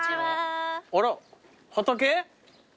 あら畑？